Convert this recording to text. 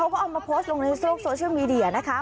ก็เอามาโพสต์ลงในโลกโซเชียลมีเดียนะคะ